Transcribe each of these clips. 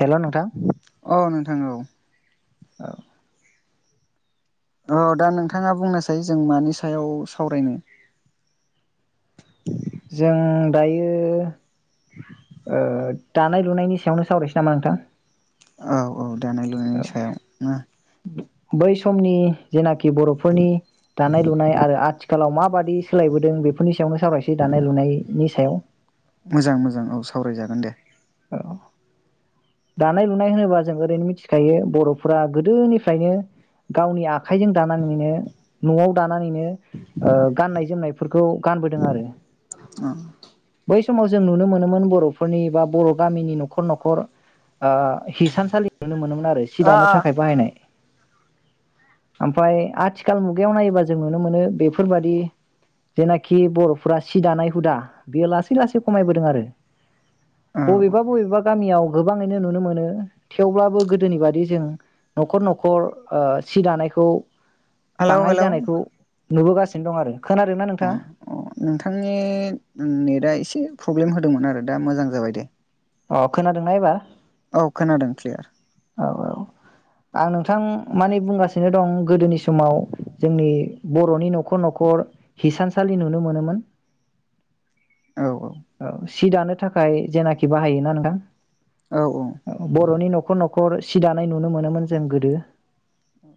हेल' नोंथां। अ' नोंथां औ। औ। अ' दा नोंथाङा बुंनोसै जों मानि सायाव सावरायनो। जों दायो ओ दानाय लुनायनि सायावनो सावरायसै नामा नोंथां? औ औ। दानाय लुनायनि सायाव ना। बै समनि जेनाखि बर'फोरनि दानाय लुनाय आरो आथि खालाव माबादि सोलायबोदों बेफोरनि सायावनो सावरायसै दानाय लुनायनि सायाव। मोजां मोजां औ सावरायजागोन दे। औ दानाय लुनाय होनोबा जों ओरैनो मिथिखायो बर'फोरा गोदोनिफ्रायनो गावनि आखाइजों दानानैनो न'आव दा नानैनो ओ गाननाय जोमनाय फोरखौ गानबोदों आरो औ बै समाव जों नुनो मोनोमोन बर'फोरनि बा बर' गामिनि न'खर, न'खर ओ हिसानसालि नुनो मोनोमोन आरो सि दानो थाखाय बाहायनाय। आमफाय आथिखाल मुगायाव नायोबा जों नुनो मोनो बेफोरबादि जेनाखि बर'फोरा सि दानाय हुदा बेयो लासै लासै खमायबोदों आरो। औ बबेबा बबेबा गामियाव गोबाङैनो नुनो मोनो थेवब्लाबो गोदोनि बादि जों न'खर न'खर ओ सि दानायखौ हेलौ बाङाय हेलौ जानायखौ नुबोगासिनो दं आरो। खोनादोंना अ' नोंथाङा अ' नोंथांनि नेटआ एसे प्रब्लेम हो दोंमोन आरो दा मोजां जाबाय दे। अ' खोनादोंना एबार। औ खोनादों क्लियार। औ औ आं नोंथां माने बुंगासिनो दं गोदोनि समाव जोंनि बर'नि न'खर, न'खर हिसानसालि नुनो मोनोमोन। औ। सि दानो थाखाय जेनाखि बाहायो ना नोंथां? औ औ बर'नि न'खर, न' नखर सि दानाय नुनो मोनोमोन जों गोदो औ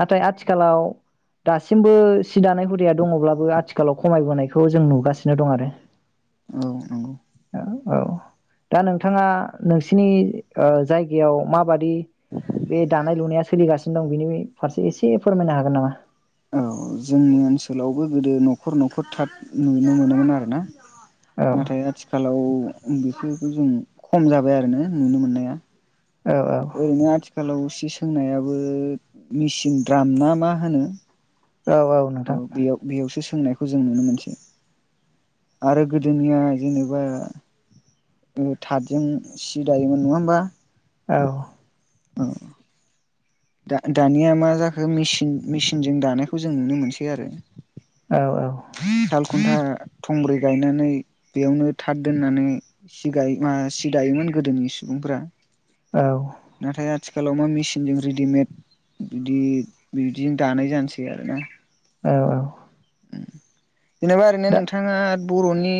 नाथाय आथिखालाव दासिमबो सि दानाय हुदाया दङब्लाबो आथिखालाव खमायबोनायखौ जों नुगासिनो दं आरो औ नंगौ औ दा नोंथाङा सिनि जायगायाव जायगायाव माबादि बे दानाय लुनाया सोलिगासिनो दं बेनि फारसे एसे फोरमायनो हागोन नामा औ जोंनि ओनसोलावबो गोदो न'खर न'खर थाब नुनो मोनोमोन आरो ना औ नाथाय आथिखालाव बिसोर जों खम जाबाय आरो ना नुनो मोननाया औ औ ओरैनो आथिखालाव सोंनायाबो मेसिन द्राम ना मा होनो औ औ नोंथां बेयाव बेयावसो सोंनायखौ जों नुनो मोनसै आरो गोदोनिया जेनेबा थाथजों सि दायोमोन नङा होमबा औ औ दा दानिया मा जाखो मसिन मेचिनजों दानायखौ जों नुनो मोनसै आरो औ सालखुन्था थंब्रै गायनानै बेयावनो थाथ दोननानै सि गाय मा सि दायोमोन गोदोनि सुबुंफ औ आथिखालाव मा मेसिनजों रेडिमेड बिदि बिदिजों दानाय जानोसै आरोना औ औ जेनेबा ओरैनो नोंथाङा बर'नि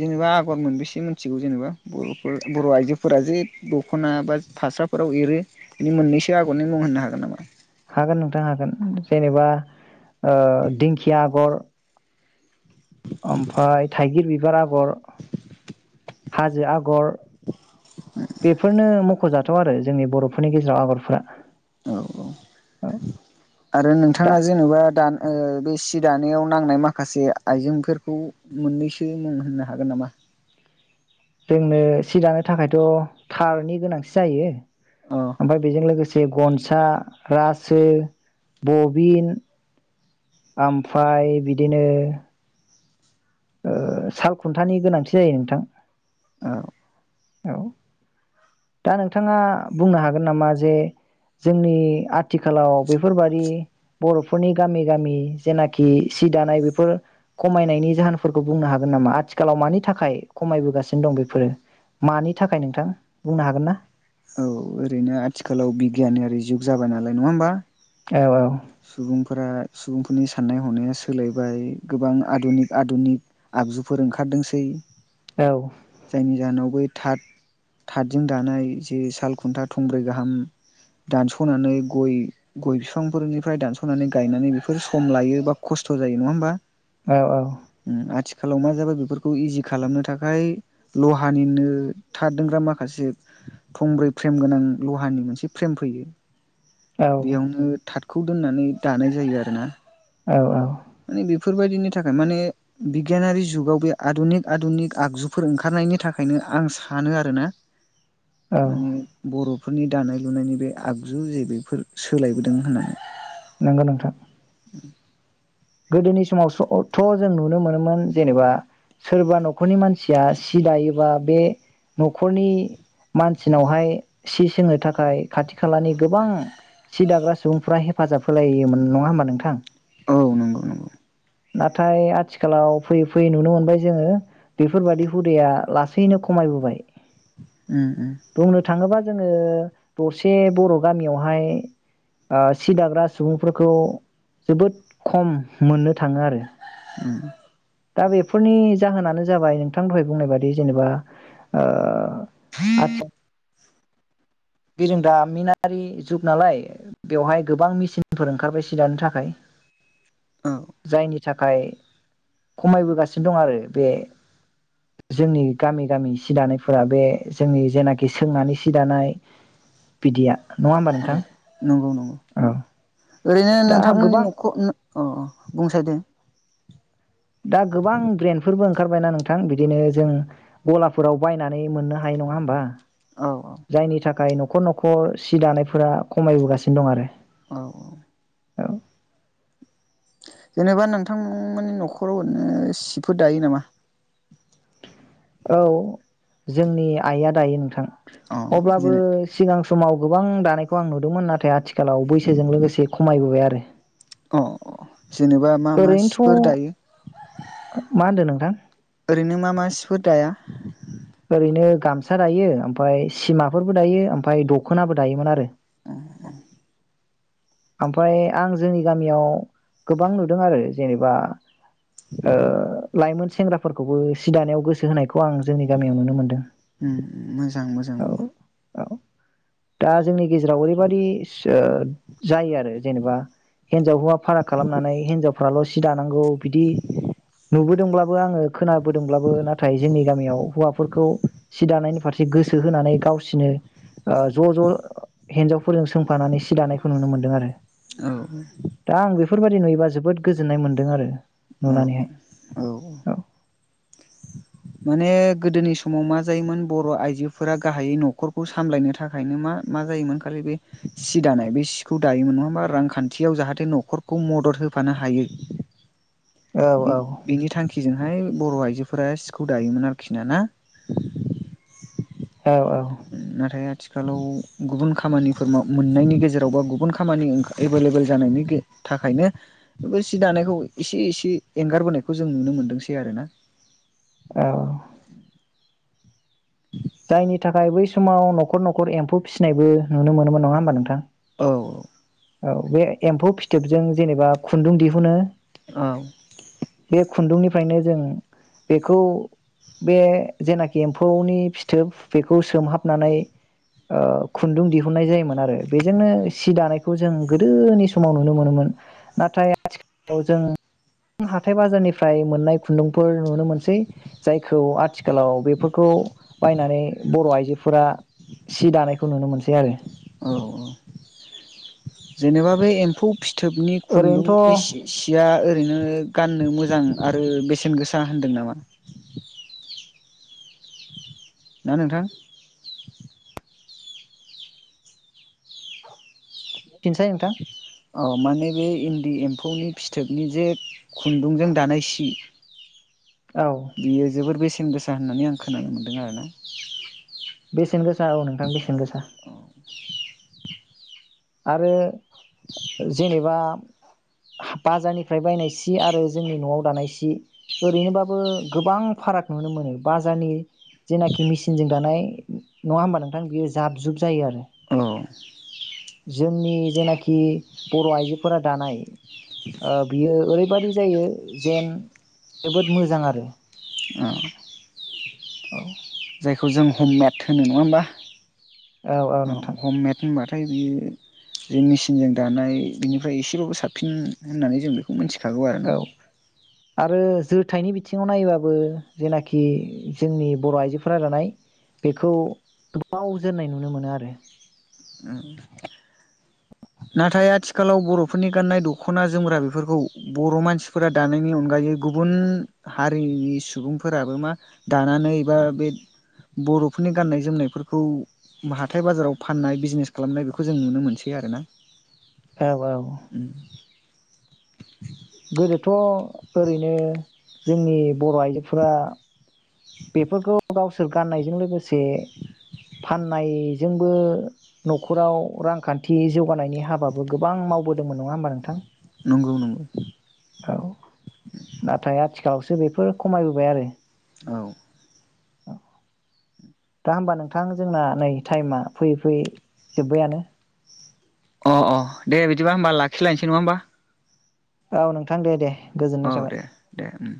जेनेबा आगर मोनबेसे मिथिगौ जेनेबा बर' बर' आइजोफोरा जे दख'ना बा फास्राफोराव एरो बि मोननैसो खि आगरनि मुं होनो हागोन नामा हागोन नोंथां हागोन जेनेबा ओ दिंखिया आगर ओमफफ्राय थाइगिर बिबार आगर हाजो आगर बेफोरनो म मख'जाथाव आरो जोंनि बर'फोरनि गेजेराव आगरफोरा औ औ आरो दा नोंथाङा जेनेबा दा ओ बे सि दानायाव नांनाय माखासे आइजेंफोरखौ मोननैसो मुं होननो हागोन नामा? जोंनो सि दानो थाखायथ' थारनि गोनांथि जायो अ ओमफ्राय बेजों लोगोसे गनस सा रासो बबिन ओमफ्राय बिदिनो ओ साल खुन्थानि गोनांथि जायो नोंथां औ औ। दा नोंथाङा बुंनो हागोन नामा? जे जोंनि आथिखालाव बेफोरबादि बर'फोरनि गामि गामि जेनाखि सि दानाय बेफोर खमायनायनि जाहोनफोरखौ बुंनो हागोन नामा? आथिखालाव मानि थाखाय खमायबोगासिनो दं बेफोरो। मानि थाखाय नोंथां? बुंनो हागोन ना? औ ओरैनो आथिखालाव बिगियानारि जुग जाबाय नालाय। नङा होमबा? औ औ सुबुंफोरा सुबुं नि साननाय हनाया सोलायबाय गोबां आदुनिक आदुनिक आगजुफोर ओंखारदोंसै। औ जायनि जाहोनावबो थाथ थाथजों दानाय जे साल खुन्था थंब्रै गाहाम दानस'नानै गय गय फिफांफोरनि फ्राय दानस'नानै गायनानै बेफोर सम लायो बा खस्थ' जायो नङा होमबा। औ औ। खालाव मा जाबाय बेफोरखौ इजि खालामनो थाखाय लहानिनो था दोनग्रा माखासे थंब्रै फ्रेम गोनां लहानि मोनसे फ्रेम फैयो। औ बेयावनो था खौ दोननानै दानाय जायो आरो ना‌। औ औ। फोरबायदिनि थाखाय माने बिगियानारि जुगाव बे आदुनिक आदुनिक आगजुफोर ओंखारनायनि थाखायनो आं सानो आरो ना। औ माने बर' फोरनि दानाय लुनायनि बे आगजु जे बेफोर सोलायबोदों होननानै। नंगौ नोंथां। [inaudible] गोदोनि समाव सो अथ' जों नुनो मोनोमोन जेनेबा सोरबा न'खरनि मानसिया सि दायोबा बे न'खरनि मानसिनावहाय सि सोंनो थाखाय खाथि खालानि गोबां सि दाग्रा सुबुंफोरा हेफाजाब होलायोमोन नङा होमबा नोंथां। औ नंगौ नंगौ। नाथाय आथिखालाव फैयै फैयै नुनो मोनबाय जोङो बैफोरबादि हुदाया लासैयैनो खमायबोबाय। उम उम बुंनो थाङोबा जोङो दरसे बर' गामियावहाय ओ सि दाग्रा सुबुंफोरखौ जोबोद खम मोननो थांङो आरो उम। दा बेफोरनि जाहोनानो जाबाय नोंथां दहाय बुंनाय बादि जेनेबा ओ आथि बिरों दामिनारि जुग नालाय बेवहाय गोबां मेचिनफोर ओंखारबाय सिदानो थाखाय औ । जायनि थाखाय खमायबोगासिनो दं आरो बे जोंनि गामि गामि सि दानायफोरा बे जोंनि जेनाखि सोंनानै सि दानाय बिदिया। नङा होमबा औ नोंथां नंगौ नंगौ औ ओरैनो दा नोंथांमोननि गोबां न'खो न अ बुंसाय दे। दा गोबां ब्रेनडफोरबो ओंखारबायना नोंथां बिदिनो जों गलाफोराव बायनानै मोननो हायो नङा होमबा औ जायनि थाखाय न खर न'खर सि दानायफोरा खमायबोगासिनो दं आरो औ औ। औ जेनेबा नोंथां मोननि न'खराव ओरैनो सिफोर दायो नामा? औ जोंनि आइआ दायो नोंथां। अ अब्लाबो जेने सिगां समाव गोबां दानायखौ आं नुदोंमोन ।नाथाय आथिख खालाव बैसोजों लोगोसे खमायबोबाय आ रो अ अ‌। जिनेबा मा मा सिफोर दायो? मा होनदों नोंथां ओरैनो मा मा सिफोर दाया। ओरैनो गामसा दायो ओमफाय हिसिमाफोरबो दायो ओमफाय दखोनाबो दायोमोन आरो। उम उम। ओमफाय आं जोंनि गामियाव गोबां नुदों आरो जेनेबा ओ लाइमोन सेंग्राफोरखौबो सि दानायाव गोसो होनायखौ आं जोंनि गामियाव नुनो मोनदों। उम मोजां मोजां। दा जोंनि गेजेराव ओरैबादि जायो आरो जेनेबा हिनजाव हौवा फाराग खालामनानै हिनजावफ्राल' सि दानांगौ बिदि नुबोदोंब्लाबो आङो खोनाबोदोंब्लाबो नाथाय जोंनि गामियाव हौवाफोरखौ सि दानायनि फारसे गोसो होनानै गावसिनो ओ ज' ज' हिन्जावफोरजों सोंफानानै सि दानायखौ नुनो मोन्दों आरो। औ। दा आं बेफोरबायदि नुयोबा जोबोद गोजोन्नाय मोन्दों आरो। औ नुनानैहाय औ। माने गोदोनि समाव मा जायोमोन बर' आइजोफोरा गाहायै न'खरखौ सामलायनो थाखायनो मा मा जायोमोन खालि बे सि दानाय बे सिखौ दायोमोन नङा होमबा रांखान्थियाव जाहाथे न'खरखौ मदद होफानो हायो। औ औ बिनि थांखिजोंहाय बर' आइजोफोरा सि बे खौ दायोमोन आरोखि ना ना। औ औ। नाथाय आथिखालाव गुबुन खामानिफोर मोननायनि गेजेराव बा गुबुन खामानि एभेलेबेल जानायनि थाखायनो बे सि दानायखौ एसे इसे एंगारबोनायखौ जों नुनो मोनदोंसै आरोना। औ। [inaudible] जायनि थाखाय बै समाव न'खर न'खर एम्फौ फिसिनायबो नुनो मोनोमोन नङा होमबा नोंथां। औ औ। औ बे एम्फौ फिथोबजों जेनेबा खुन्दुं दिहुनो औ। बे खुन्दुंनिफ्रायनो जों बेखौ बे जेनाखि एम्फौनि फिथोब बेखौ सोमहाबनानै ओ खुन्दुं दिहुननाय जायोमोन आरो बेजोंनो सि खौ जों गोदोनि समाव नुनो मोनो मोन नाथाय आथिलाव जों हाथाय बाजारनिफ्राय मोननाय खुन्दुंफोर नुनो मोनसै जायखौ आथिखालाव बेफोरखौ बायनानै बर' आइजोफोरा सि दानायखौ नुनो मोनो। औ औ। जेनेबा बे एम्फौ फि थोबनि खुन्दुंनि ओरैनोथ' सिया ओरैनो गाननो मोजां आरो बेसेन गोसा। सा होनदों नामा। ना नोंथां। [unintelligible] औ माने बे इन्दि एम्फौनि फिथोबनि जे खुन्दुंजों दानाय सि औ बियो जोबोर बेसे न गोसा होननानै आं खोनानो मोन्दों आरोना। बेसेन गोसा औ नोंथां बेसेन गोसा। [inaudible] आरो जेनेबा बाजारनिफ्राय बायनाय सि आरो जोंनि न'आव दानाय सि ओरैनोबाबो गोबां फाराग नुनो मोनो बाजारनि जेनाखि मेसिनजों दानाय नङा होमबा नोंथां बियो जाब जुब जायो आरो औ जोंनि जेनाखि खि बर' आइजोफोराद दानाय ओ बियो ओरैबायदि जायो जेन जोबोद मोजां आरो औ औ इखौ जों हम मेद होनो नङा ओमबा? औ हम मेड होनबा फ्राय बियो जों मेसिनजों दानाय बिनिफ्राय एसेल'बो साबसिन होननानै जों बेखौ मिन्थि औ आरो जुथ थाइनि बिथिङाव नायोबाबो जेनाखि जोंनि बर' आइजोफोरा दानाय बेखौ गोबाव जोरनाय नुनो मोनो आरो नाथाय आथिखालाव बर'फोरनि गाननाय दख'ना जोमग्रा बेफोरखौ बर' मानसिफोरा दानायनि अनगायै गुबुन हारिनि सुबुंफोराबो मा दानानैबा बे बर'फोरनि गाननाय जोमनायफोरखौ हाथाय बाजाराव फाननाय बिजिनेस खालामनाय बेखौ जों नुनो मोनसै आरो ना? औ औ [inaudible] गोदोथ ओरैनो जोंनि बर' आइजोफोरा बेफोरखौ गावसोर गाननायजों लोगोसे फाननायजोंबो न'खराव रांखान्थि जौगानायनि हाबाबो गोबां मावबोदोंमोन नङा ओमबा नोंथां? नंगौ नंगौ औ नाथाय आथिखालावसो बेफ फोर खमायबोबाय आरो औ औ दा ओमबा नोंथां जोंना नै टायेमा फैयै फैयै जोबायानो। अ अ दे बिदिबा होमबा लाखिलायसै नङा होमबा? औ नोंथां दे दे। औ गोजोननाय थाबाय दे दे उम